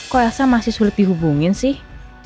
kok rasa masih sulit dihubungin sih